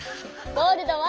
ゴールドは？